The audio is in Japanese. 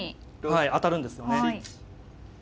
はい当たるんですよね。